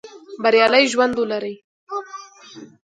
د هغه رایې په نا امنه سیمو کې ډېرې وې.